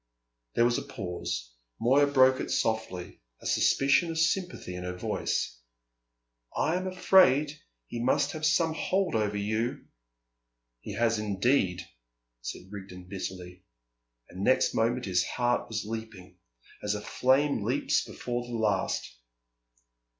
There was a pause. Moya broke it softly, a suspicion of sympathy in her voice. "I am afraid he must have some hold over you." "He has indeed," said Rigden bitterly; and next moment his heart was leaping, as a flame leaps before the last.